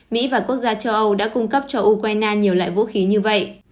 mỹ và quốc gia châu âu đã cung cấp cho ukraine nhiều loại vũ khí như vậy